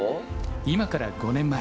今から５年前。